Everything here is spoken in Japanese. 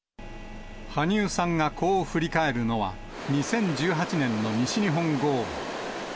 羽生さんがこう振り返るのは、２０１８年の西日本豪雨。